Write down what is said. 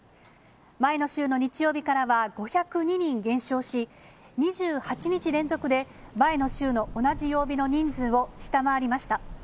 前の週の日曜日からは５０２人減少し、２８日連続で前の週の同じ曜日の人数を下回りました。